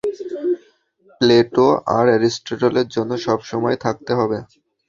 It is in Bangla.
প্লেটো আর এরিস্টটলের জন্য সবসময় থাকতে হবে।